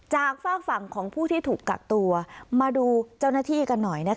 ฝากฝั่งของผู้ที่ถูกกักตัวมาดูเจ้าหน้าที่กันหน่อยนะคะ